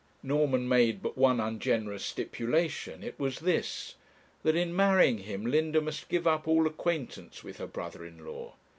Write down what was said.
Norman made but one ungenerous stipulation. It was this: that in marrying him Linda must give up all acquaintance with her brother in law.